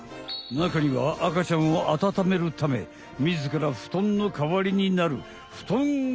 中にはあかちゃんをあたためるためみずからふとんのかわりになるふとん係もいるよ。